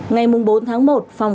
ngày bốn tháng một